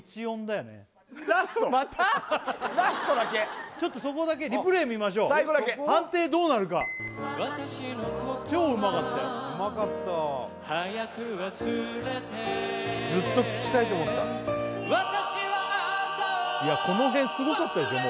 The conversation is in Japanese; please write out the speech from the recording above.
ラストだけちょっとそこだけリプレー見ましょう最後だけ判定どうなるか私の事は超うまかったよ早く忘れてずっと聴きたいと思ったいやこの辺すごかったですよ